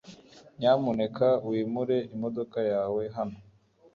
nyamuneka wimure imodoka yawe hano